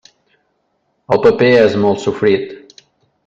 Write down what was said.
El paper és molt sofrit.